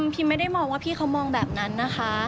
พิมไม่ได้มองว่าพี่เขามองแบบนั้นนะคะ